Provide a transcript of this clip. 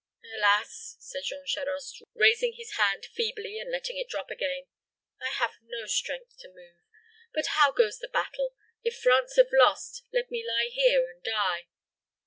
"Alas!" said Jean Charost, raising his hand feebly, and letting it drop again, "I have no strength to move. But how goes the battle? If France have lost, let me lie here and die."